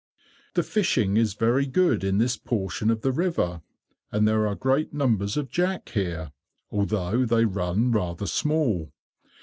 The fishing is very good in this portion of the river, and there are great numbers of jack here, although they run rather small.